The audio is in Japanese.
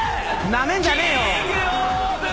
ナメんじゃねえよ。